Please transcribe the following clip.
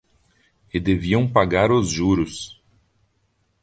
E deviam pagar os juros.